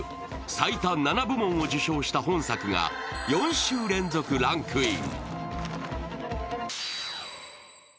最多７部門を受賞した本作が４週連続ランクイン。